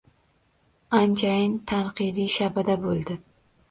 Anchayin tanqidiy shabada bo’ldi.